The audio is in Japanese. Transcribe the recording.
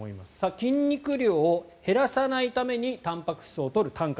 筋肉量を減らさないためにたんぱく質を取るたん活。